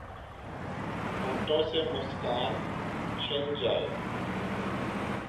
ہونٹوں سے مسکان چھن جائے